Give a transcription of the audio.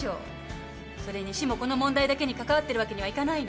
それに市もこの問題だけにかかわってるわけにはいかないの。